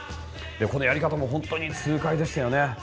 このやり方もホントに痛快でしたよね。